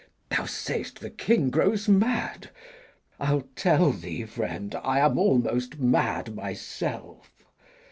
Thou say'st the King grows mad: I'll tell thee, friend, I am almost mad myself.